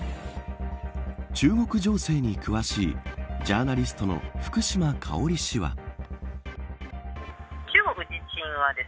中国情勢に詳しいジャーナリストの福島香織氏は。